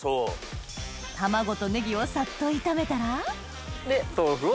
卵とネギをサッと炒めたら豆腐を。